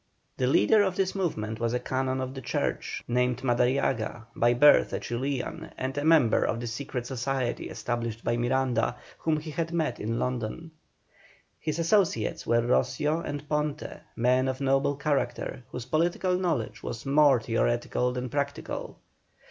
The leader of this movement was a canon of the church, named Madariaga, by birth a Chilian, and a member of the Secret Society established by Miranda, whom he had met in London. His associates were Roscio and Ponte, men of noble character, whose political knowledge was more theoretical than practical.